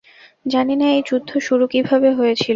জানিনা এই যুদ্ধ শুরু কিভাবে হয়েছিল।